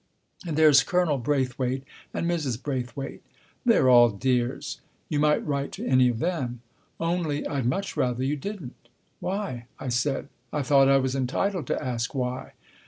And there's Colonel Braithwaite and Mrs. Braithwaite. They're all dears. You might write to any of them. Only I'd much rather you didn't." " Why ?" I said. I thought I was entitled to ask why.